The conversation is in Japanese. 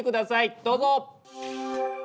どうぞ！